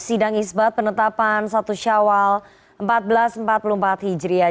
sidang isbat penetapan satu syawal seribu empat ratus empat puluh empat hijriah